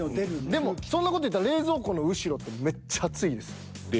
でもそんな事いったら冷蔵庫の後ろってめっちゃ熱いですよ。